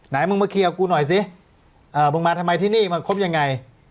มึงมาเคลียร์กูหน่อยสิมึงมาทำไมที่นี่มาคบยังไง